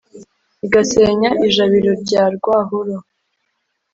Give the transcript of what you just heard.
igasenya i jabiro rya rwahoro.